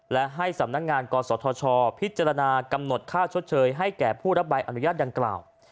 และให้สำนักงานกศธชพิจารณากำหนดค่าชดเชยให้แก่ผู้รับใบอนุญาตดังกล่าว